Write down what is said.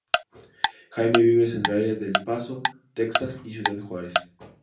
Jaime vive en el área de El Paso, Texas, y Ciudad Juárez.